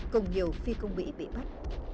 cùng nhiều phi công mỹ bị bắt